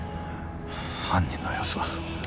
犯人の様子は？